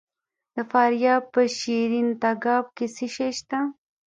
د فاریاب په شیرین تګاب کې څه شی شته؟